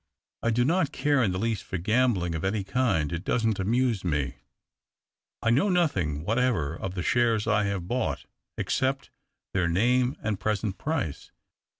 I do not care in the least for gambling of any kind — it doesn't amuse me. I know nothino what ever of the shares I have bought, except their name and present price.